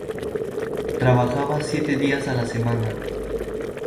Trabajaba siete días a la semana.